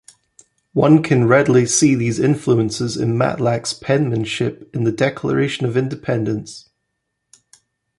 One can readily see these influences in Matlack's penmanship in the Declaration of Independence.